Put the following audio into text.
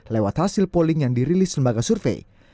lewat hasil polling yang dirilis lembaga survei